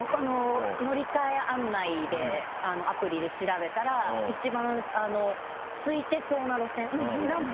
乗換案内でアプリで調べたら一番すいてそうな路線何分